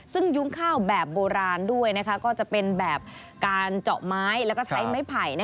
ซึ่งยุ้งข้าวแบบโบราณด้วยก็จะเป็นแบบการเจาะไม้แล้วก็ใช้ไม้ไผ่